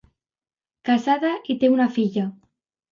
Casada i té una filla.